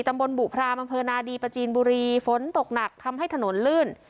ตำบลบุพรามอำเภอนาดีประจีนบุรีฝนตกหนักทำให้ถนนลื่น